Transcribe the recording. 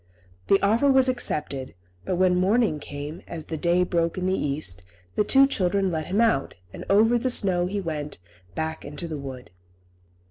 The offer was accepted, but when morning came, as the day broke in the east, the two children let him out, and over the snow he went back into the wood.